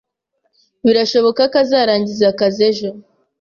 Birashoboka ko azarangiza akazi ejo.